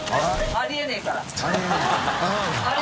「ありえねぇから」